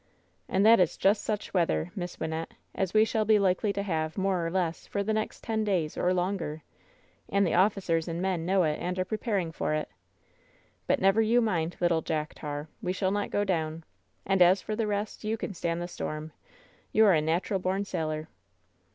"And that is just such weather, Miss Wynnette, as we shall be likely to have, more or less, for the next ten days, or longer. And the officers and men know it and are preparing for it. But never you mind, little Jack Tar. We shall not go down. And as for the rest, you can stand the storm. You're a natural born sailor!"